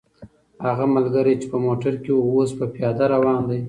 هغه ملګری چې په موټر کې و، اوس په پیاده روان دی.